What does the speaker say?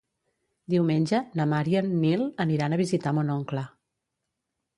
Diumenge na Mar i en Nil aniran a visitar mon oncle.